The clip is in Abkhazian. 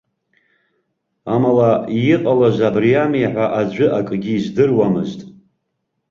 Амала, иҟалаз абриами ҳәа аӡәы акгьы издыруамызт.